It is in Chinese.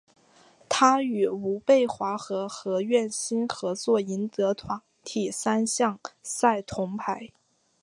他与吴蓓华和何苑欣合作赢得团体三项赛铜牌。